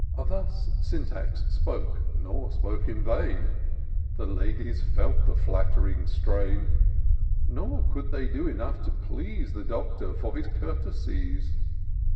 Thus Syntax spoke, nor spoke in vain; The ladies felt the flatt'ring strain ; Nor could they do enough to please The Doctor for his courtesies.